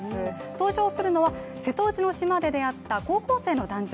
登場するのは瀬戸内の島で会った高校生の男女。